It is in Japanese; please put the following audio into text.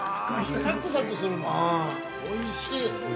サクサクするもん、おいしい。